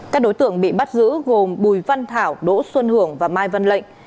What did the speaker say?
các đối tượng bị bắt giữ gồm bùi văn thảo đỗ xuân hưởng và mai văn lệnh